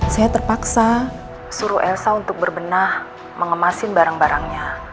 saya terpaksa suruh elsa untuk berbenah mengemasin barang barangnya